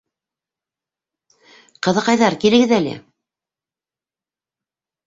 Ҡыҙыҡайҙар, килегеҙ әле.